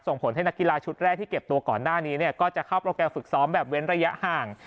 ผลให้นักกีฬาชุดแรกที่เก็บตัวก่อนหน้านี้เนี่ยก็จะเข้าโปรแกรมฝึกซ้อมแบบเว้นระยะห่าง